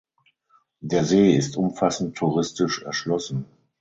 Der See ist umfassend touristisch erschlossen.